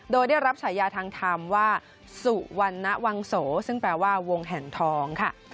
โดยได้รับฉายาทางธรรมว่าสุวรรณวังโสซึ่งแปลว่าวงแห่งทองค่ะ